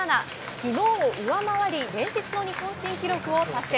昨日を上回り連日の日本新記録を達成！